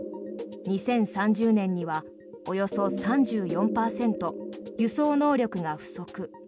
２０３０年にはおよそ３４％、輸送能力が不足。